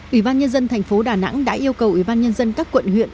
ủy ban nhân dân thành phố đà nẵng đã yêu cầu ủy ban nhân dân các quận huyện